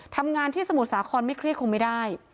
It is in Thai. ทำงานที่สมุทรสาครไม่เครียดคงไม่ได้